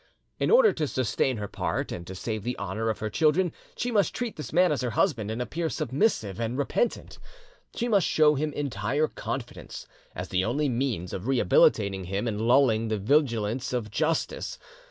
In order to sustain her part and to save the honour of her children, she must treat this man as her husband and appear submissive and repentant; she must show him entire confidence, as the only means of rehabilitating him and lulling the vigilance of justice.